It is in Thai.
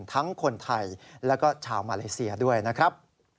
ทั้งคนไทยแล้วก็ชาวมาเลเซียด้วยนะครับ